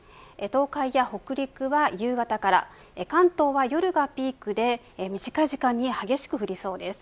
東海や北陸は夕方から関東は夜がピークで短い時間に激しく降りそうです。